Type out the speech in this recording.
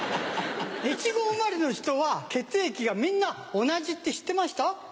越後生まれの人は血液がみんな同じって知ってました？